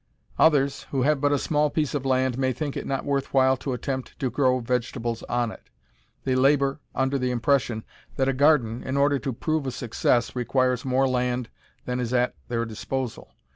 Others, who have but a small piece of land, may think it not worth while to attempt to grow vegetables on it. They labor under the impression that a garden, in order to prove a success, requires more land than is at their disposal.